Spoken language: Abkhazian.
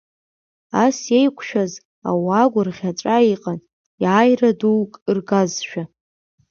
Ас иеиқәшәаз, ауаа гәырӷьаҵәа иҟан, иааира дук ргазшәа.